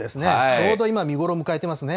ちょうど今、見頃を迎えていますね。